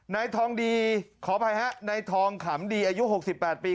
นายทองดีขออภัยฮะนายทองขำดีอายุ๖๘ปี